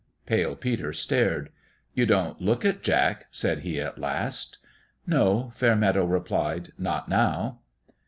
Pale Peter stared. " You don't look it, Jack," said he, at last. "No," Fairmeadow replied; "not now."